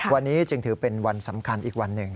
วันนี้จึงถือเป็นวันสำคัญอีกวันหนึ่ง